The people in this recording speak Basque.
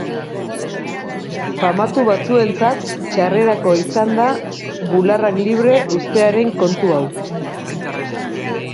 Famatu batzuentzat txarrerako izan da bularrak libre uztearen kontu hau.